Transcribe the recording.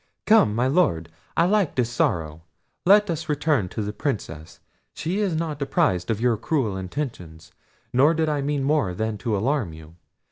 Come, my Lord; I like this sorrow—let us return to the Princess: she is not apprised of your cruel intentions; nor did I mean more than to alarm you.